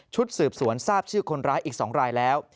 สืบสวนทราบชื่อคนร้ายอีก๒รายแล้ว